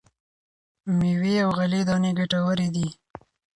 مېوې او غلې دانې ګټورې دي.